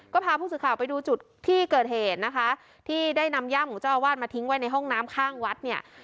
ก็พาผู้สื่อข่าวไปดูจุดที่เกิดเหตุนะคะที่ได้นำย่ามของเจ้าอาวาสมาทิ้งไว้ในห้องน้ำข้างวัดเนี่ย